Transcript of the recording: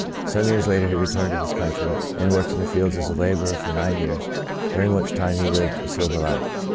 Some years later he returned to this country, and worked in the fields as a laborer for nine years, during which time he lived a sober life.